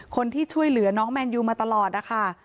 คนที่ช่วยเหลือน้องแมนยูมาตลอดนะคะ